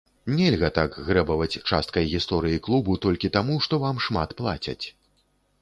Нельга так грэбаваць часткай гісторыі клубу толькі таму, што вам шмат плацяць.